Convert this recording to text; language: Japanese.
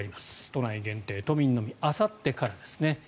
都内限定、都民のみあさってからですね。